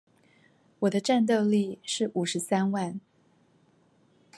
我的戰鬥力是五十三萬